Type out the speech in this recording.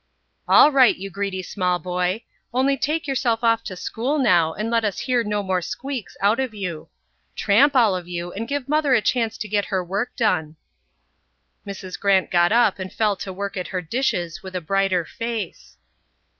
"All right, you greedy small boy. Only take yourself off to school now, and let us hear no more squeaks out of you. Tramp, all of you, and give Mother a chance to get her work done." Mrs. Grant got up and fell to work at her dishes with a brighter face.